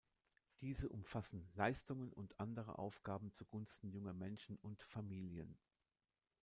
Diese umfassen „Leistungen und andere Aufgaben zugunsten junger Menschen und Familien“.